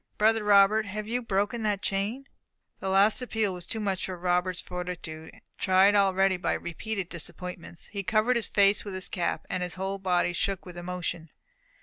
Brother Robert, have you broken that chain?" This last appeal was too much for Robert's fortitude, tried already by repeated disappointments. He covered his face with his cap, and his whole body shook with emotion.